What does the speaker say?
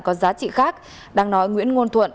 có giá trị khác đang nói nguyễn nguôn thuận